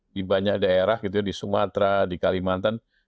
di banyak daerah gitu ya di sumatera di kalimantan